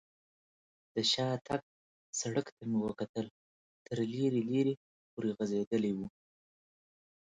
د شاتګ سړک ته مې وکتل، تر لرې لرې پورې غځېدلی و.